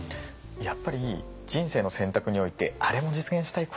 やっぱり人生の選択においてあれも実現したい